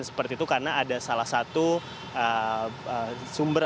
seperti itu karena ada salah satu sumber